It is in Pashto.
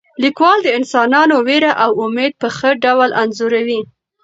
لیکوال د انسانانو ویره او امید په ښه ډول انځوروي.